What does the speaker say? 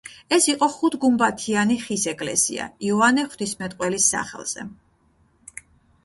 ეს იყო ხუთგუმბათიანი ხის ეკლესია იოანე ღვთისმეტყველის სახელზე.